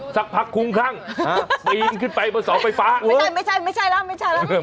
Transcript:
สักพักคุ้งขั่งไปอิ่มขึ้นไปมาสอนไฟฟ้าไม่ใช่ไม่ใช่ไม่ใช่แล้วไม่ใช่แล้ว